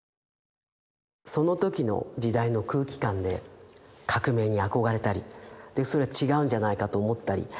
その時の時代の空気感で革命に憧れたりそれは違うんじゃないかと思ったり。